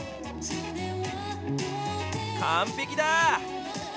完璧だ。